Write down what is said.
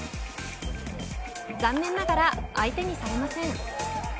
残念ながら相手にされません。